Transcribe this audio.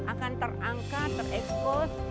akan terangkat terekspor